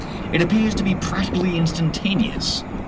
It appears to be practically instantaneous.